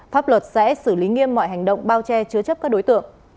pháp luật sẽ xử lý nghiêm mọi hành động bao che chứa chấp các đối tượng